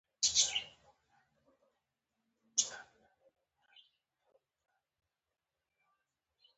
د قادس ولسوالۍ غرنۍ ده